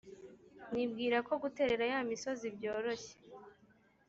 mwibwira ko guterera ya misozi byoroshye.